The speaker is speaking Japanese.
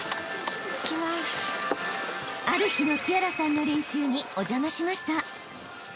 ［ある日の姫明麗さんの練習にお邪魔しました］